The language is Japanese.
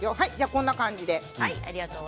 こんな感じで。